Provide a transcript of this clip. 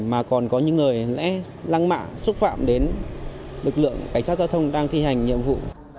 mà còn có những người lẽ lăng mạ xúc phạm đến lực lượng cảnh sát giao thông đang thi hành nhiệm vụ